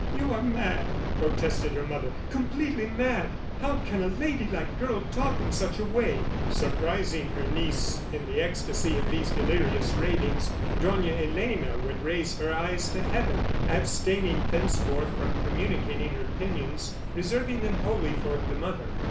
"You are mad," protested her mother. "Completely mad! How can a ladylike girl talk in such a way?" ... Surprising her niece in the ecstasy of these delirious ravings, Dona Elena would raise her eyes to heaven, abstaining thenceforth from communicating her opinions, reserving them wholly for the mother.